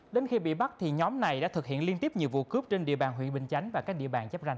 đến khi bị bắt thì nhóm này đã thực hiện liên tiếp nhiều vụ cướp trên địa bàn huyện bình chánh và các địa bàn chấp ranh